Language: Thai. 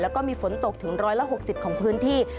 แล้วก็มีฝนตกถึง๑๖๐ของพื้นที่